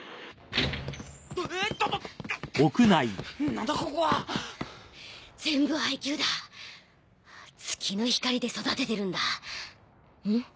うわあっととなんだここは全部ＩＱだ月の光で育ててるんだんっ？